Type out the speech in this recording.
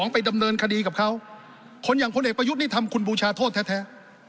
ไปดำเนินคดีกับเขาคนอย่างพลเอกประยุทธ์นี่ทำคุณบูชาโทษแท้